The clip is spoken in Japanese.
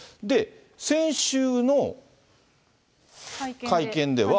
先週の会見では。